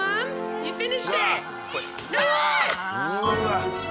うわ！